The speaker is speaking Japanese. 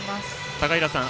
高平さん